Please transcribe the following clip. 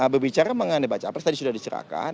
berbicara mengenai baca pres tadi sudah diserahkan